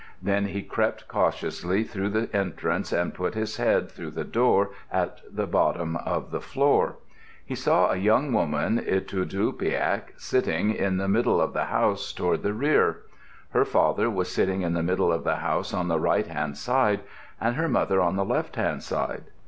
Then he crept cautiously through the entrance and put his head through the door at the bottom of the floor. He saw a young woman, Itudluqpiaq, sitting in the middle of the house toward the rear. Her father was sitting in the middle of the house on the right hand side and her mother on the left hand side.